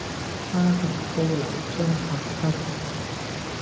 花近高樓傷客心，